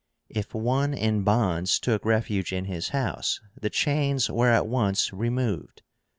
If one in bonds took refuge in his house, the chains were at once removed.